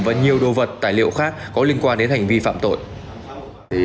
và nhiều đồ vật tài liệu khác có liên quan đến hành vi phạm tội